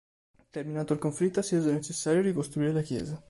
Terminato il conflitto, si rese necessario ricostruire la chiesa.